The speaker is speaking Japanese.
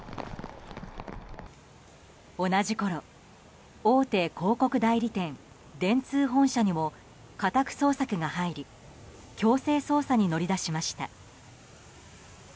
同じころ、大手広告代理店電通本社にも家宅捜索が入り強制捜査に乗り出しました。